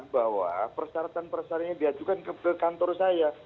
bahwa persyaratan persyaratannya di ajukan ke kantor saya